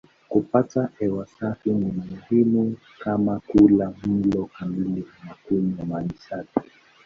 Kupata hewa safi ni muhimu kama kula mlo kamili na kunywa maji safi.